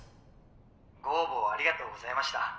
ご応募をありがとうございました。